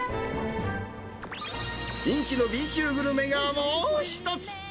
人気のＢ級グルメがもう一つ。